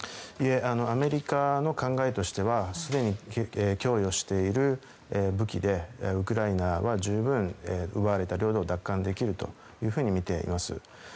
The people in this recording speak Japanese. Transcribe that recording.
アメリカの考えとしてはすでに供与している武器でウクライナは十分奪われた領土を奪還できるというふうにみています。